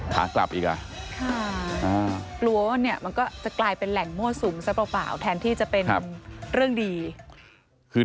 ตายแล้ว